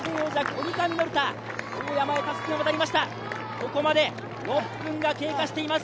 ここまで６分が経過しています。